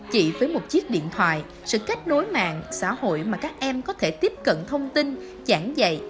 chỉ với một chiếc điện thoại sự kết nối mạng xã hội mà các em có thể tiếp cận thông tin giảng dạy